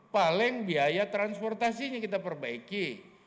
paling biaya transportasinya kita perbaiki